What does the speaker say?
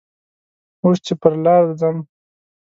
اوس چې پر لارې ځم